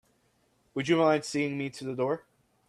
Would you mind seeing me to the door?